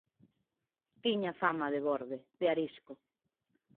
Tiña fama de borde, de arisco.